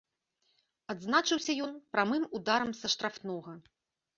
Адзначыўся ён прамым ударам са штрафнога.